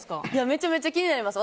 めちゃめちゃ気になります。